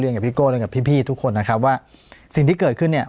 กับพี่โก้เรียนกับพี่ทุกคนนะครับว่าสิ่งที่เกิดขึ้นเนี่ย